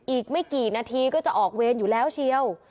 อีกไม่กี่นาทีก็จะออกเวรอยู่แล้วเชียว